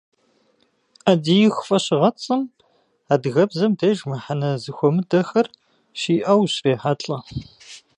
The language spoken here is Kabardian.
«Ӏэдииху» фӀэщыгъэцӀэм адыгэбзэм деж мыхьэнэ зэхуэмыдэхэр щиӀэу ущрехьэлӀэ.